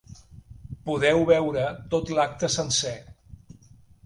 Podeu veure tot l’acte sencer.